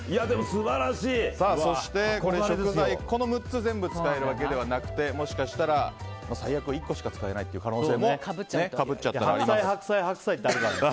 そして食材、この６つ全部使えるわけではなくてもしかしたら最悪１個しか使えないという可能性も白菜、白菜、白菜って。